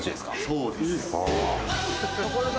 そうです。